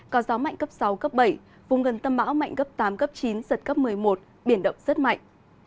có gió mạnh cấp sáu cấp bảy vùng gần tâm bão mạnh cấp tám cấp chín giật cấp một mươi một biển động rất mạnh